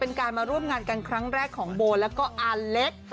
เป็นการมาร่วมงานกันครั้งแรกของโบแล้วก็อาเล็ก